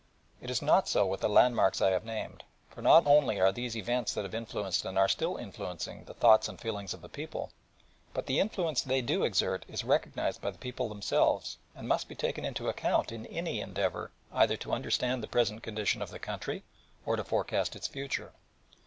It is not so with the landmarks I have named, for not only are these events that have influenced and are still influencing the thoughts and feelings of the people, but the influence they exert is recognised by the people themselves and must be taken into account in any endeavour either to understand the present condition of the country, or to forecast its future.